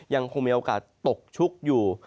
ยังคงมีโอกาสตกชุกอยู่